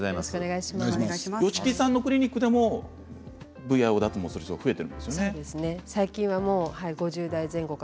吉木さんのクリニックでもＶＩＯ脱毛する人は増えていますか？